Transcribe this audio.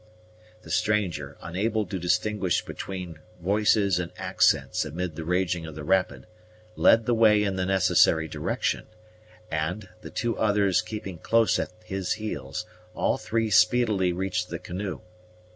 The stranger, unable to distinguish between voices and accents amid the raging of the rapid, led the way in the necessary direction; and, the two others keeping close at his heels, all three speedily reached the canoe.